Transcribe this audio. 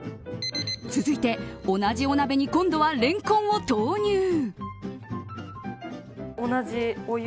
続いて、同じお鍋に今度はレンコンを投入。